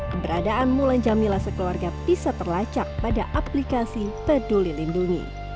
keberadaan mulan jamila sekeluarga bisa terlacak pada aplikasi peduli lindungi